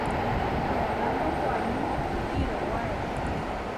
Rolando koʼáni hirówae.